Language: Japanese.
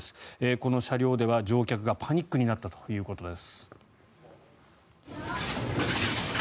この車両では、乗客がパニックになったということです。